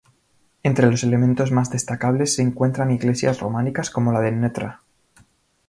Entre los elementos más destacables se encuentran iglesias románicas como la de Ntra.